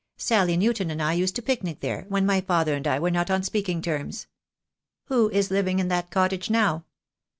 Sally Newton and I used to picnic there, when my father and I were not on speaking terms. Who is living in that cottage now?"